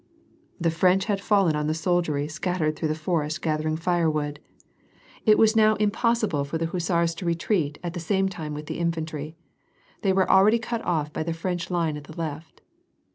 Tlie French had fallen on the soldiery scattered through the forest gathering firewood. It was now impossible for the hus WAR AND PEACE. 223 sars to retreat at the same time with the infantry. They were already cut off by the French line at the left.